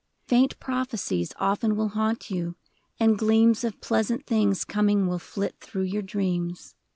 Faint prophecies often will haunt you ; and gleams Of pleasant things coming will flit through your dreams.